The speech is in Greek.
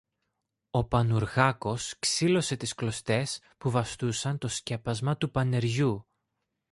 Ο Πανουργάκος ξήλωσε τις κλωστές που βαστούσαν το σκέπασμα του πανεριού